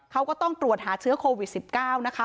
เขาก็ต้องตรวจหาเชื้อโควิด๑๙นะคะ